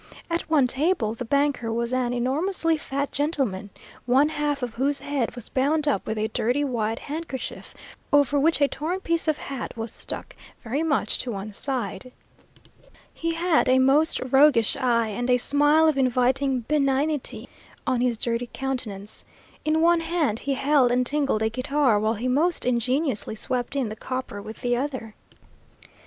At one table, the banker was an enormously fat gentleman, one half of whose head was bound up with a dirty white handkerchief, over which a torn piece of hat was stuck, very much to one side. He had a most roguish eye, and a smile of inviting benignity on his dirty countenance. In one hand he held and tingled a guitar, while he most ingeniously swept in the copper with the other.